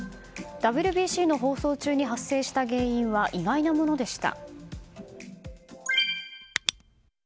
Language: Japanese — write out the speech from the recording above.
ＷＢＣの放送中に発生した原因は意外なものでした。